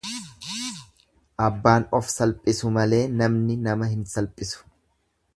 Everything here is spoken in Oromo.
Abbaan of salphisu malee namni nama hin salphisu.